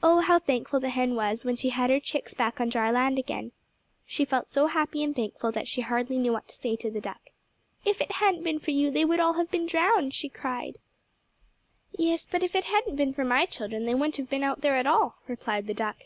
Oh, how thankful the hen was when she had her chicks back on dry land again. She felt so happy and thankful that she hardly knew what to say to the duck. "If it hadn't been for you they would all have been drowned," she cried. [Illustration: There lay old Tige in the sunshine fast asleep] "Yes, but if it hadn't been for my children they wouldn't have been out there at all," replied the duck.